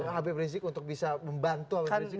habib rizik untuk bisa membantu habib rizik